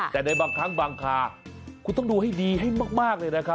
แต่ในบางครั้งบางคาคุณต้องดูให้ดีให้มากเลยนะครับ